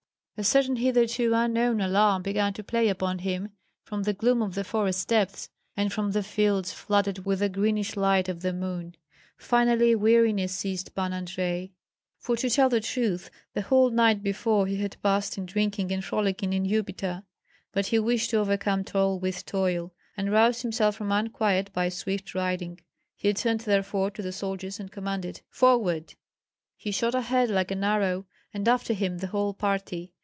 A certain hitherto unknown alarm began to play upon him from the gloom of the forest depths, and from the fields flooded with a greenish light of the moon. Finally weariness seized Pan Andrei, for, to tell the truth, the whole night before he had passed in drinking and frolicking in Upita; but he wished to overcome toil with toil, and rouse himself from unquiet by swift riding; he turned therefore to the soldiers and commanded, "Forward!" He shot ahead like an arrow, and after him the whole party.